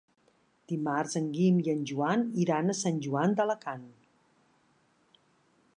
Dimarts en Guim i en Joan iran a Sant Joan d'Alacant.